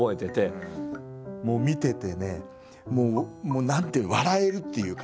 もう見ててねもう何ていうの笑えるっていうかね。